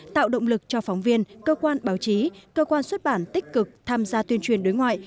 tạo động lực cho phóng viên cơ quan báo chí cơ quan xuất bản tích cực tham gia tuyên truyền đối ngoại